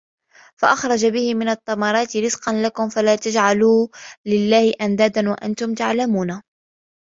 فَأَخْرَجَ بِهِ مِنَ الثَّمَرَاتِ رِزْقًا لَكُمْ ۖ فَلَا تَجْعَلُوا لِلَّهِ أَنْدَادًا وَأَنْتُمْ تَعْلَمُونَ